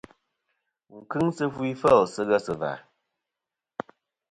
Wù n-kɨŋ sɨ fu ifêl sɨ ghesɨ̀và.